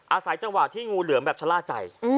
อาศัยจังหวะที่งูเหลือมแบบชะล่าใจ